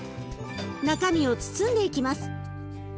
中身を包んでいきます。